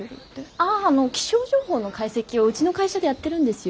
あああの気象情報の解析をうちの会社でやってるんですよ。